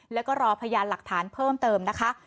แล้วก็รอพยานหลักฐานเพิ่มเติมนะคะ